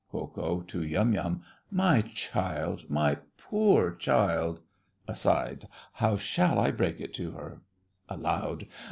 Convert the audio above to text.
KO. (to Yum Yum). My child—my poor child! (Aside.) How shall I break it to her? (Aloud.)